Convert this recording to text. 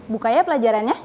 buka ya pelajarannya